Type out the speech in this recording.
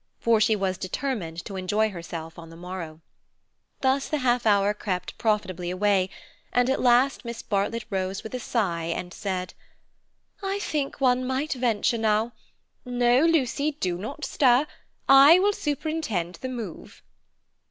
For she was determined to enjoy herself on the morrow. Thus the half hour crept profitably away, and at last Miss Bartlett rose with a sigh, and said: "I think one might venture now. No, Lucy, do not stir. I will superintend the move."